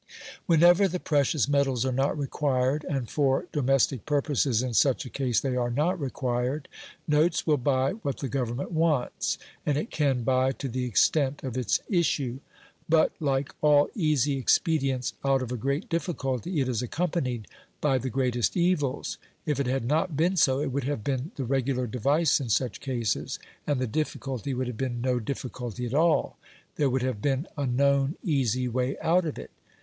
Whenever the precious metals are not required, and for domestic purposes in such a case they are not required, notes will buy what the Government want, and it can buy to the extent of its issue. But, like all easy expedients out of a great difficulty, it is accompanied by the greatest evils; if it had not been so, it would have been the regular device in such cases, and the difficulty would have been no difficulty at all; there would have been a known easy way out of it.